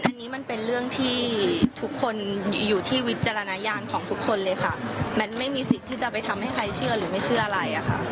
อันนี้มันเป็นเรื่องที่ทุกคนอยู่ที่วิจารณญาณของทุกคนเลยค่ะแมทไม่มีสิทธิ์ที่จะไปทำให้ใครเชื่อหรือไม่เชื่ออะไรอะค่ะ